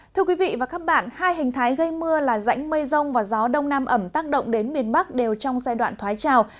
thưa quý vị và các bạn hai hình thái gây mưa là rãnh mây rông và gió đông nam ẩm tác động đến miền bắc đều trong giai đoạn thoái trào